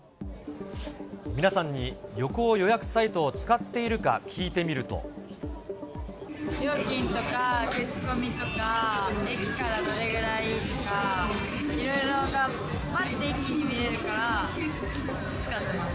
皆さんに旅行予約サイトを使料金とか口コミとか、駅からどれぐらいとか、いろいろ、ぱって一気に見れるから使ってます。